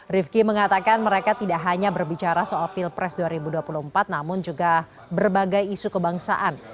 rifki mengatakan mereka tidak hanya berbicara soal pilpres dua ribu dua puluh empat namun juga berbagai isu kebangsaan